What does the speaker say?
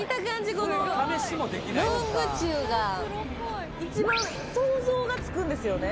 このロングチューが一番想像がつくんですよね